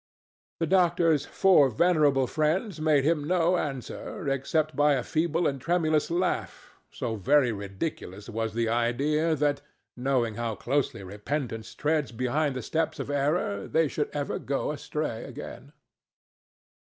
The doctor's four venerable friends made him no answer except by a feeble and tremulous laugh, so very ridiculous was the idea that, knowing how closely Repentance treads behind the steps of Error, they should ever go astray again.